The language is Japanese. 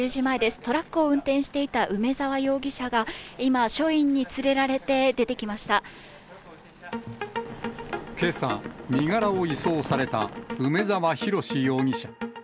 トラックを運転していた梅沢容疑者が、今、署員に連れられて出てけさ、身柄を移送された梅沢洋容疑者。